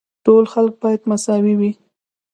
ټول خلک باید مساوي وي.